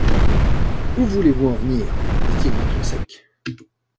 Où voulez-vous en venir? dit-il d’un ton sec.